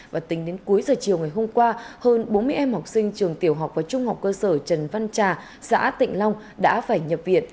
và tính đến cuối giờ chiều ngày hôm qua hơn bốn mươi em học sinh trường tiểu học và trung học cơ sở trần văn trà xã tịnh long đã phải nhập viện